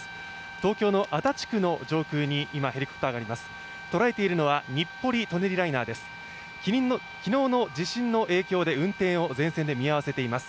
東京の足立区の上空に今、ヘリコプターがいます。